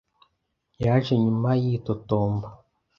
yaje nyuma yitotomba.